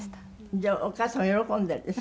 じゃあお母様喜んでるでしょ？